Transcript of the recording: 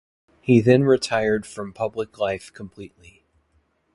He then retired from public life completely.